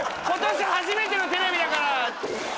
今年初めてのテレビだから。